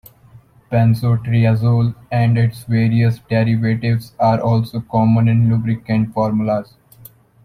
Benzotriazole and its various derivatives are also common in lubricant formulas.